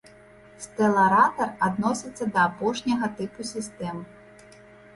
Стэларатар адносіцца да апошняга тыпу сістэм.